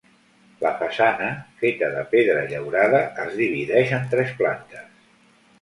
La façana, feta de pedra llaurada, es divideix en tres plantes.